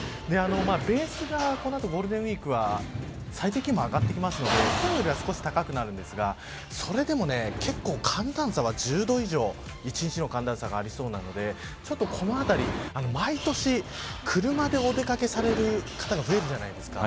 ベースが、この後ゴールデンウイークは最低気温も上がってくるので今日よりは少し高くなるんですがそれでも結構寒暖差は１０度以上１日の寒暖差がありそうなのでこのあたり、毎年車でお出かけされる方が増えるじゃないですか。